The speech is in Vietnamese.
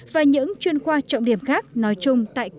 và những chuyên khoa trọng điểm khác nói chung tại cơ sở